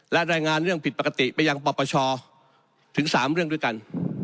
และรายงานเรื่องผิดปกติไปยังปปชถึง๓เรื่องด้วยกัน